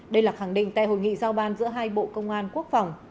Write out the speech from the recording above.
đây là khẳng định tại hội nghị giao ban giữa hai bộ công an quốc phòng